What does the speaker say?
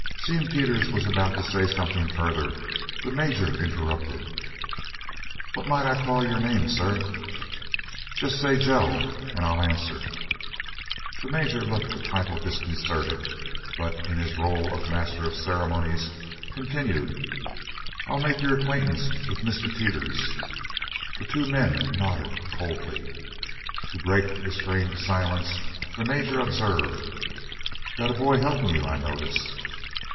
Seeing Teeters was about to say something further, the Major interrupted: "What might I call your name, sir?" "Just say 'Joe,' and I'll answer." The Major looked a trifle disconcerted, but in his rôle of Master of Ceremonies continued: "I'll make you acquainted with Mr. Teeters." The two men nodded coldly. To break the strained silence the Major observed: "Got a boy helpin' you, I notice."